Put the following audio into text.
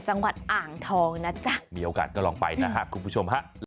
จังหวัดอ่างทองนะจ๊ะมีโอกาสก็ลองไปนะฮะคุณผู้ชมฮะ